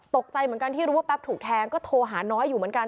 ตกใจเหมือนกันที่รู้ว่าแป๊บถูกแทงก็โทรหาน้อยอยู่เหมือนกัน